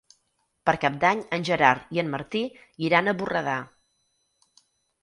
Per Cap d'Any en Gerard i en Martí iran a Borredà.